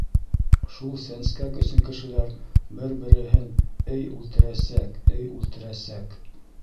Шул сәнскәк өсөн кешеләр бер-береһен, эй, үлтерәсәк, эй, үлтерәсәк!